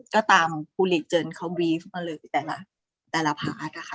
ก็ตามครูหลีเจิญเค้าบรีฟมาเลยแต่ละแต่ละพาร์ทอะค่ะ